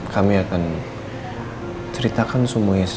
kasih tau papa